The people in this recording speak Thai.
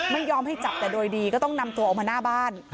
ไม่ยอมให้จับแต่โดยดีก็ต้องนำตัวออกมาหน้าบ้าน